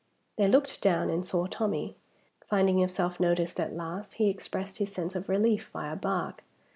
They looked down, and saw Tommie. Finding himself noticed at last, he expressed his sense of relief by a bark.